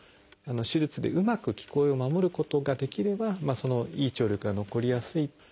手術でうまく聞こえを守ることができればいい聴力が残りやすいと。